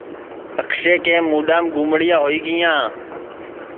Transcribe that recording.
اکشے کے مُڈؔام گُمڑیاں ہوئی گیاں